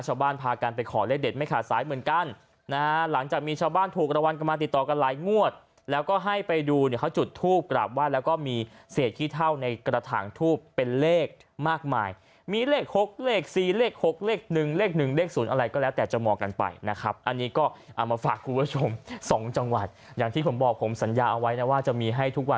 ชาวบ้านพากันไปขอเลขเด็ดไม่ขาดสายเหมือนกันนะฮะหลังจากมีชาวบ้านถูกรางวัลกันมาติดต่อกันหลายงวดแล้วก็ให้ไปดูเนี่ยเขาจุดทูปกราบไหว้แล้วก็มีเศษขี้เท่าในกระถางทูบเป็นเลขมากมายมีเลข๖เลข๔เลข๖เลขหนึ่งเลขหนึ่งเลขศูนย์อะไรก็แล้วแต่จะมองกันไปนะครับอันนี้ก็เอามาฝากคุณผู้ชมสองจังหวัดอย่างที่ผมบอกผมสัญญาเอาไว้นะว่าจะมีให้ทุกวัน